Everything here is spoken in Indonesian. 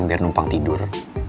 biar numpang tidur